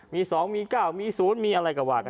มี๒มี๙มี๐มีอะไรก็ว่ากัน